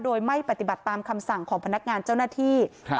โดยไม่ปฏิบัติตามคำสั่งของพนักงานเจ้าหน้าที่